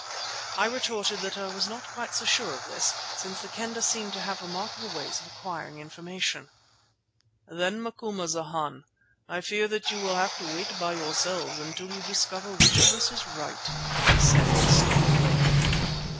I retorted that I was not quite so sure of this, since the Kendah seemed to have remarkable ways of acquiring information. "Then, Macumazana, I fear that you will have to wait by yourselves until you discover which of us is right," he said stolidly.